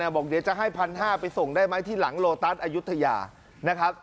บอกจะให้พันห้าไปส่งได้ไหมที่หลังโรตัสอยูตรยา